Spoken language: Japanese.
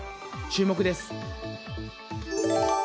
注目です。